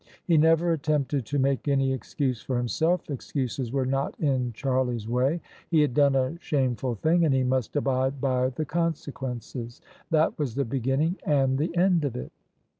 He never attempted to make any excuse for himself: excuses were not in Charlie's way. He had done a shameful thing, and he must abide by the consequences: that was the beginning and the end of it.